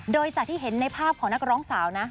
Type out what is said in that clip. โดยจากที่เห็นในภาพของนักร้องสาวนะ